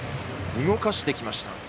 動かしてきました。